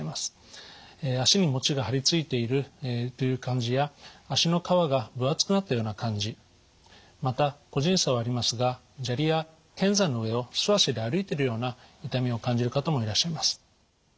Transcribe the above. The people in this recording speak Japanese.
足にもちが貼り付いているという感じや足の皮がぶ厚くなったような感じまた個人差はありますが砂利や剣山の上を素足で歩いてるような痛みを感じる方もいらっしゃいます。